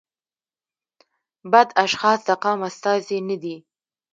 بد اشخاص د قوم استازي نه دي.